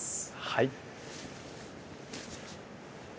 はい。